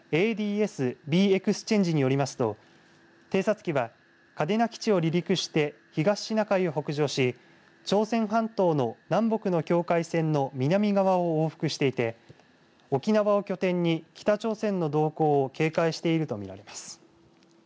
エクスチェンジによりますと偵察機は嘉手納基地を離陸して東シナ海を北上し朝鮮半島の南北の境界線の南側を往復していて沖縄を拠点に北朝鮮の動向を警戒しているものと見られます。